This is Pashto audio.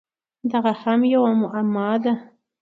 دغه هم یوه معما ده!